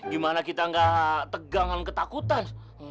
gimana kita gak tegang dengan ketakutan